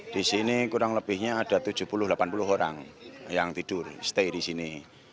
di sini kurang lebihnya ada tujuh puluh delapan puluh orang yang tidur stay di sini